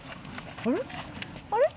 あれ？